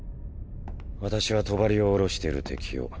私は帳を下ろしてる敵を。